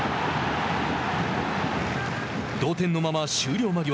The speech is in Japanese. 同点のまま終了間際。